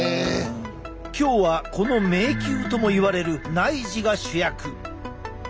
今日はこの迷宮ともいわれる内耳が主役！